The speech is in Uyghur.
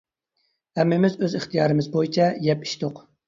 ھەممىمىز ئۆز ئىختىيارىمىز بويىچە يەپ ئىچتۇق.